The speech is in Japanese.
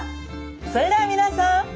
それでは皆さん。